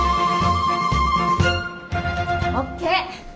ＯＫ。